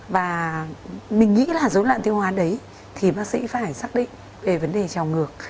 và mình nghĩ là dối loạn tiêu hóa đấy thì bác sĩ phải xác định về vấn đề trào ngược